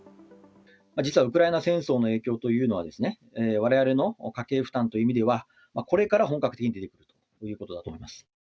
実はウクライナ戦争の影響というのは、われわれの家計負担という意味では、これから本格的に出てくるということだと思います。